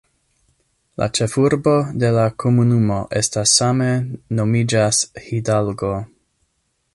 La ĉefurbo de la komunumo estas same nomiĝas "Hidalgo".